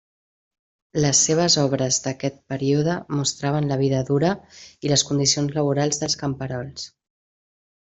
Les seves obres d'aquest període mostraven la vida dura i les condicions laborals dels camperols.